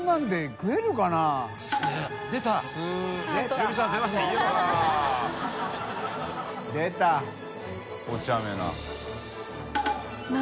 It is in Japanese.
个拭おちゃめな。